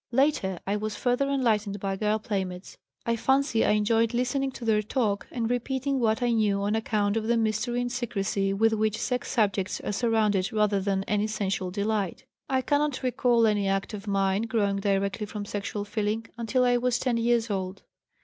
Later I was further enlightened by girl playmates. I fancy I enjoyed listening to their talk and repeating what I knew on account of the mystery and secrecy with which sex subjects are surrounded rather than any sensual delight. "I cannot recall any act of mine growing directly from sexual feeling until I was 10 years old.